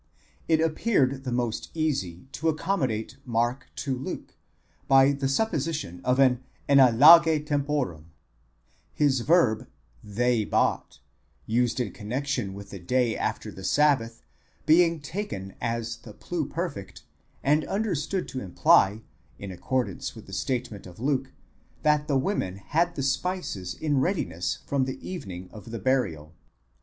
It appeared the most easy to accommodate Mark to Luke by the supposition of an enadlage temporum ; his verb ἠγόρασαν, they bought, used in connexion with the day after the sabbath, being taken as the pluperfect, and understood to imply, in accordance with the statement of Luke, that the women had the spices in readiness from the evening of the burial.